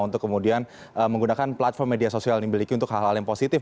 untuk kemudian menggunakan platform media sosial yang dimiliki untuk hal hal yang positif